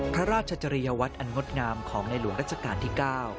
พระราชจริยวัตรอันงดงามของในหลวงรัชกาลที่๙